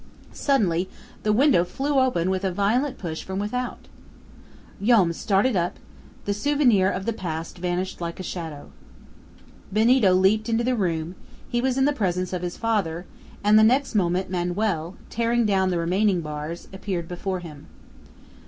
Suddenly the window flew open with a violent push from without. Joam started up; the souvenirs of the past vanished like a shadow. Benito leaped into the room; he was in the presence of his father, and the next moment Manoel, tearing down the remaining bars, appeared before him.